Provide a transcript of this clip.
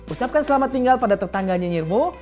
ucapkan selamat tinggal pada tetangganya nyirmo